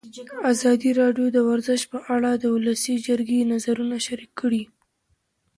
ازادي راډیو د ورزش په اړه د ولسي جرګې نظرونه شریک کړي.